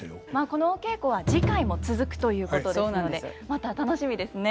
このお稽古は次回も続くということですのでまた楽しみですね。